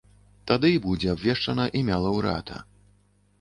Тады і будзе абвешчана імя лаўрэата.